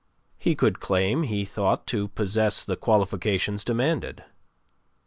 He could claim, he thought, to possess the qualifications demanded.